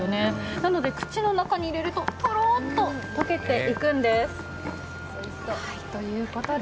なので口の中に入れるととろっと溶けていくんです。